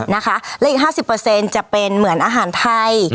นะคะและอีก๕๐จะเป็นเหมือนอาหารไทย